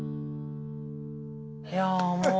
いやあもう。